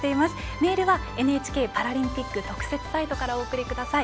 メールはＮＨＫパラリンピック特設サイトからお送りください。